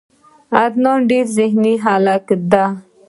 عدنان ډیر ذهین هلک ده.